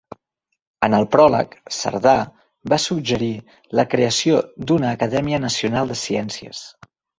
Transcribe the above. En el pròleg, Cerdà va suggerir la creació d'una Acadèmia Nacional de Ciències.